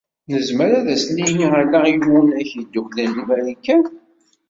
Nezmer ad sen-nini ala i Iwunak Yedduklen n Marikan?